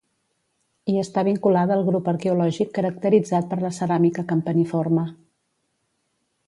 I està vinculada al grup arqueològic caracteritzat per la ceràmica campaniforme.